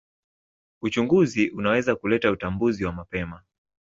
Uchunguzi unaweza kuleta utambuzi wa mapema.